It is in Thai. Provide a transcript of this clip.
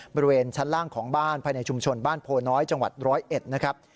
บริเวณชั้นล่างของบ้านภายในชุมชนบ้านโพน้อยจังหวัด๑๐๑นะครับ